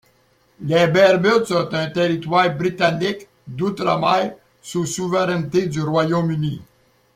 Les Bermudes sont un territoire britannique d'outre-mer sous souveraineté du Royaume-Uni.